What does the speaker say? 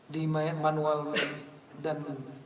di manual dan